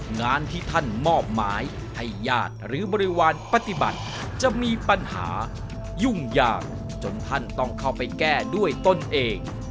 งานที่ท่านมอบหมายให้ญาติหรือบริวารปฏิบัติจะมีปัญหายุ่งยากจนท่านต้องเข้าไปแก้ด้วยตนเอง